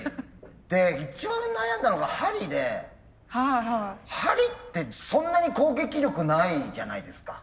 で一番悩んだのが針で針ってそんなに攻撃力ないじゃないですか。